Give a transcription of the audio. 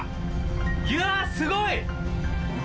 いやすごい。